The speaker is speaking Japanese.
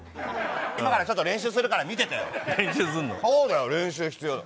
今からちょっと練習するから見てて。